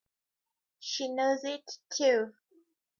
She knows it too!